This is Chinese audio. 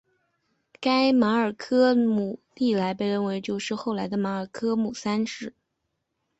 该马尔科姆历来被认为就是后来的马尔科姆三世。